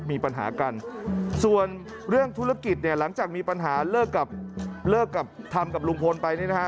มีปัญหากันส่วนเรื่องธุรกิจเนี่ยหลังจากมีปัญหาเลิกกับเลิกกับทำกับลุงพลไปนี่นะฮะ